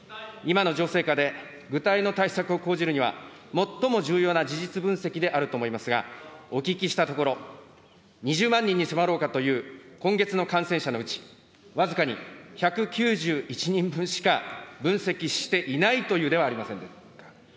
今の情勢下で具体の対策を講じるには、最も重要な事実分析であると思いますが、お聞きしたところ、２０万人に迫ろうかという今月の感染者のうち、僅かに１９１人分しか分析していないというではありませんか。